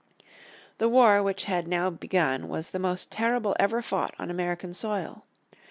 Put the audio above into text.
The war which had now begun was the most terrible ever fought on American soil.